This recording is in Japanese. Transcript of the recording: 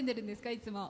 いつも。